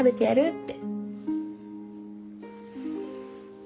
って。